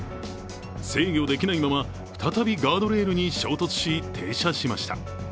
制御できないまま再びガードレールに衝突し、停車しました。